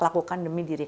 lakukan demi diri